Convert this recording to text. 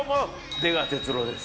出川哲朗です。